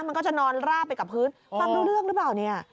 มันก็จะนอนราบไปกับพื้นฟังรู้เรื่องหรือเปล่าเนี่ย